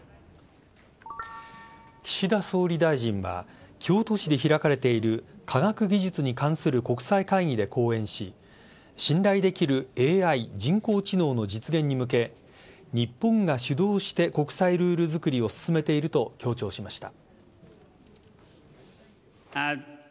岸田総理大臣は京都市で開かれている科学技術に関する国際会議で講演し信頼できるＡＩ＝人工知能の実現に向け日本が主導して国際ルール作りを進めていると強調しました。